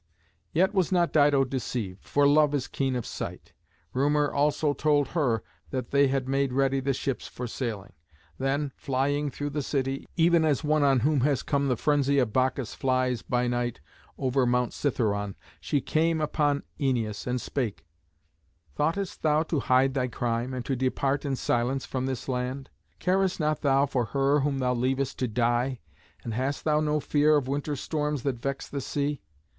Yet was not Dido deceived, for love is keen of sight. Rumour also told her that they made ready the ships for sailing. Then, flying through the city, even as one on whom has come the frenzy of Bacchus flies by night over Mount Cithæron, she came upon Æneas, and spake: "Thoughtest thou to hide thy crime, and to depart in silence from this land? Carest thou not for her whom thou leavest to die? And hast thou no fear of winter storms that vex the sea?